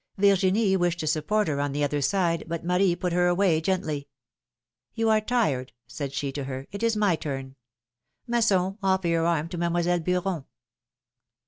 Virginie wished to support her on the other side, but Marie put her away gently. ^^You are tired,'^ said she to her; ^Mt is ray turn. Masson, offer your arm to Mademoiselle Beuron.